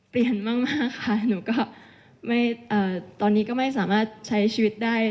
เปลี่ยนมากค่ะหนูก็ตอนนี้ก็ไม่สามารถใช้ชีวิตได้